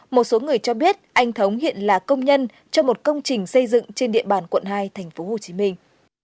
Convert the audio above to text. một số người cho biết anh thống hiện là công nhân cho một công trình xây dựng trên địa bàn quận hai thành phố hồ chí minh